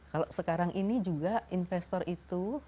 kalau sekarang ini juga investor itu